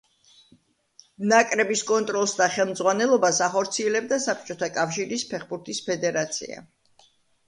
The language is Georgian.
ნაკრების კონტროლს და ხელმძღვანელობას ახორციელებდა საბჭოთა კავშირის ფეხბურთის ფედერაცია.